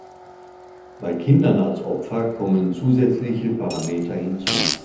Bei Kindern als Opfer kommen zusätzliche Parameter hinzu.